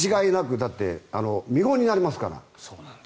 だって、見本になりますから。